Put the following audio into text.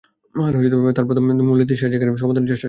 তার প্রথম মূলনীতিটির সাহায্যে এটার সমাধানের চেষ্টা চালাতেন।